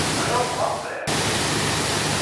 I don't want that.